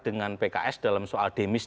dengan pks dalam soal demis